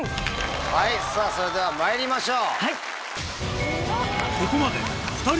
はいそれではまいりましょう。